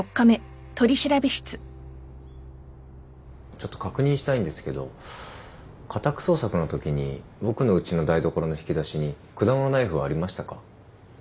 ちょっと確認したいんですけど家宅捜索のときに僕のうちの台所の引き出しに果物ナイフはありましたか？